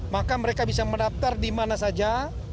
maka mereka bisa mendaftar di mana saja